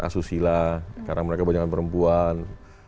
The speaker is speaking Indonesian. asusila karena mereka kebanyakan perempuan